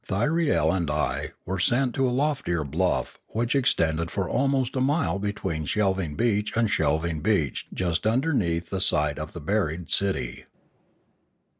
Thy riel and I were sent to a loftier bluff which extended for almost a mile between shelving beach and shelving beach just underneath the site of the buried city.